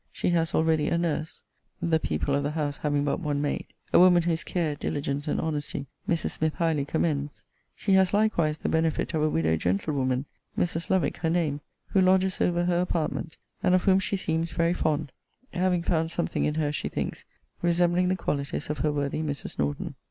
She has already a nurse, (the people of the house having but one maid,) a woman whose care, diligence, and honesty, Mrs. Smith highly commends. She has likewise the benefit of a widow gentlewoman, Mrs. Lovick her name, who lodges over her apartment, and of whom she seems very fond, having found something in her, she thinks, resembling the qualities of her worthy Mrs. Norton.